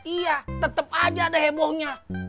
iya tetap aja ada hebohnya